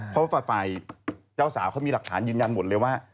เพราะว่าฝ่ายเจ้าสาวเขามีหลักฐานยืนยันหมดเลยว่า